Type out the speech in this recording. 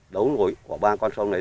đấu ngũi của ba con sông này